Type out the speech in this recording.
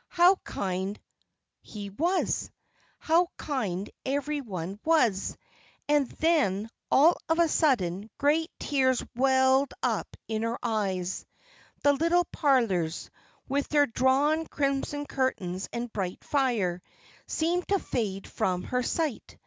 How kind he was! how kind every one was! And then, all of a sudden, great tears welled up in her eyes. The little parlours, with their drawn crimson curtains and bright fire, seemed to fade from her sight.